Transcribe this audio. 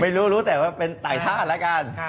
ไม่รู้รู้แต่ว่าเป็นต่างชาติแล้วกัน